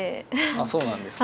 そうなんですか。